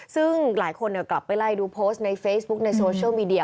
ซึ่งหลายคนกลับไปไล่ดูโพสต์ในเฟซบุ๊กในโซเชียลมีเดีย